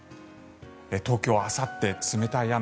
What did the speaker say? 東京はあさって、冷たい雨。